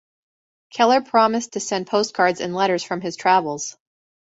Kellar promised to send postcards and letters from his travels.